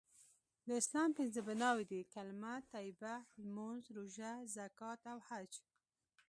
د اسلام پنځه بنأوي دي.کلمه طیبه.لمونځ.روژه.زکات.او حج